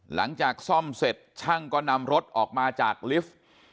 หลังจากซ่อมเสร็จช่างก็นำรถออกมาจากลิฟท์